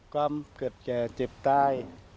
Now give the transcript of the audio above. ความเกิดแก่เจ็บใต้